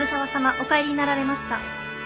お帰りになられました。